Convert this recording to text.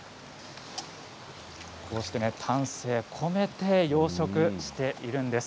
丹精込めて養殖しているんです。